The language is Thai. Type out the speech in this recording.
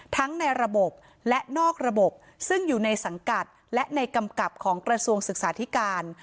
ในระบบและนอกระบบซึ่งอยู่ในสังกัดและในกำกับของกระทรวงศึกษาธิการ